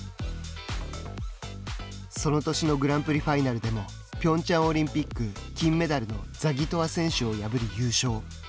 その年のグランプリファイナルでもピョンチャンオリンピック金メダルのザギトワ選手を破り優勝。